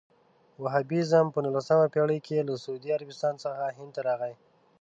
وهابیزم په نولسمه پېړۍ کې له سعودي عربستان څخه هند ته راغی.